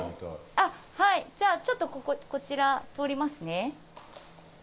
あはいじゃあちょっとこちら通りますね。